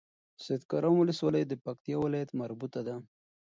سيدکرم ولسوالۍ د پکتيا ولايت مربوطه ده